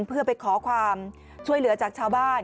เพื่อไปขอความช่วยเหลือจากชาวบ้าน